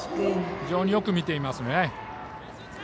非常によく見ていますね。